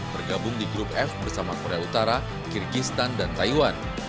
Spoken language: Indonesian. bergabung di grup f bersama korea utara kyrgyzstan dan taiwan